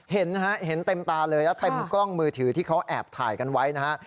เห็นนะฮะเห็นเต็มตาเลยแล้วเต็มกล้องมือถือที่เขาแอบถ่ายกันไว้นะฮะ